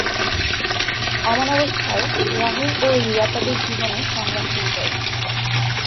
এমন অবস্থায়, রাহুল ও রিয়া তাদের জীবনে সংগ্রাম শুরু করেন।